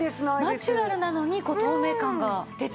ナチュラルなのに透明感が出てますね。